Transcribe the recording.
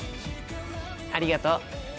ありがとう。